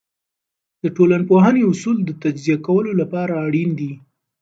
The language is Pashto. د ټولنپوهنې اصول د تجزیه کولو لپاره اړین دي.